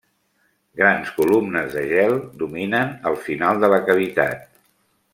Grans columnes de gel dominen el final de la cavitat.